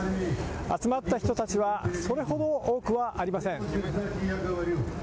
集まった人たちは、それほど多くはありません。